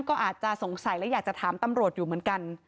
ก็อาจจะสงสัยและอยากจะถามตำรวจอยู่เหมือนกัน